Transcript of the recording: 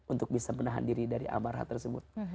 untuk bisa menahan diri dari amarah tersebut